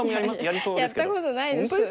やったことないですよ